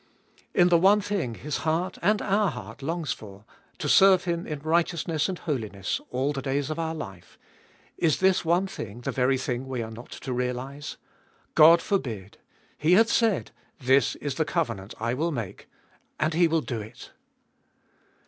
In the one thing His heart and our heart longs for, to serve Him in righteousness and holiness all the days of our life, — is this one thing the very thing we are not to realise ? God forbid. He hath said — This is the covenant I will make ; and He will do it.